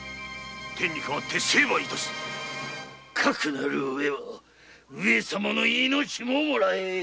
天に代わって成敗いたすかくなる上は上様の命ももらえ！